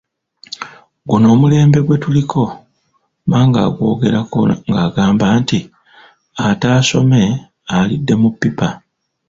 Guno omulembe gwe tuliko, Mmange agwogerako ng’agamba nti, “ Ataasome alidde mu ppipa! ”